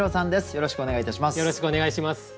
よろしくお願いします。